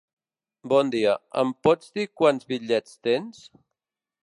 Bon dia, em pots dir quants bitllets tens?